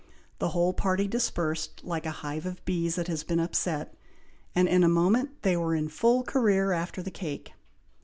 The whole party dispersed, like a hive of bees that has been upset; and in a moment they were in full career after the cake.